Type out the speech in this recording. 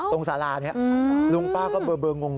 สารานี้ลุงป้าก็เบอร์งง